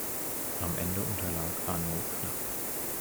Am Ende unterlag Arnoux knapp.